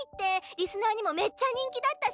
リスナーにもめっちゃ人気だったし。